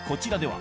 は